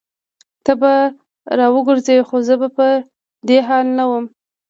ته به راوګرځي خو زه به په دې حال نه وم